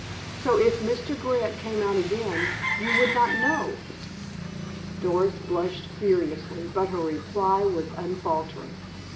"So if Mr. Grant came out again you would not know?" Doris blushed furiously, but her reply was unfaltering.